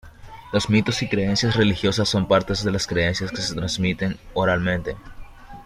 Los mitos y creencias religiosas son parte de las creencias que se transmiten oralmente.